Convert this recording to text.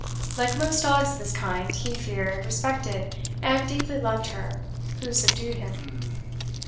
Like most dogs of his kind, he feared, respected, and deeply loved her who subdued him.